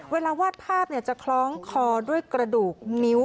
เวลาวาดภาพจะคล้องคอด้วยกระดูกนิ้ว